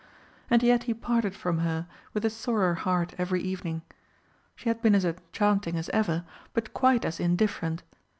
And yet he parted from her with a sorer heart every evening. She had been as enchanting as ever, but quite as indifferent.